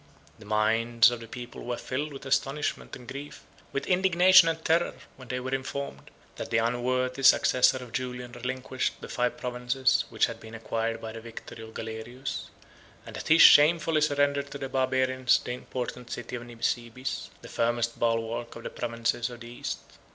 The minds of the people were filled with astonishment and grief, with indignation and terror, when they were informed, that the unworthy successor of Julian relinquished the five provinces which had been acquired by the victory of Galerius; and that he shamefully surrendered to the Barbarians the important city of Nisibis, the firmest bulwark of the provinces of the East.